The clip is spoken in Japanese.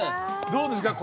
どうですか？